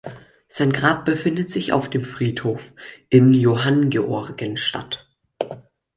Sein Grab befindet sich auf dem Friedhof in Johanngeorgenstadt.